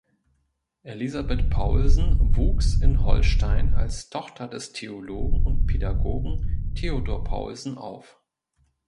Elisabeth Paulsen wuchs in Holstein als Tochter des Theologen und Pädagogen Theodor Paulsen auf.